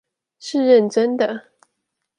是認真的